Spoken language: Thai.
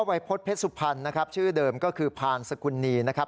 พ่อไวพรเผ็ดสุพรรณนะครับชื่อเดิมก็คือพาลสกุลนีนะครับ